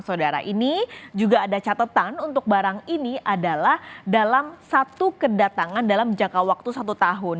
saudara ini juga ada catatan untuk barang ini adalah dalam satu kedatangan dalam jangka waktu satu tahun